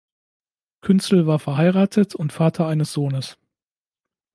Künzel war verheiratet und Vater eines Sohnes.